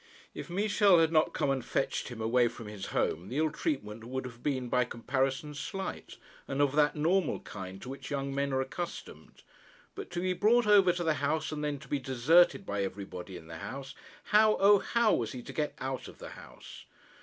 If Michel had not come and fetched him away from his home the ill treatment would have been by comparison slight, and of that normal kind to which young men are accustomed. But to be brought over to the house, and then to be deserted by everybody in the house! How, O how, was he to get out of the house?